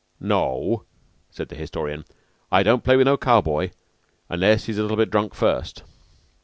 "Noaw," said the historian, "I don't play with no cow boy unless he's a little bit drunk first."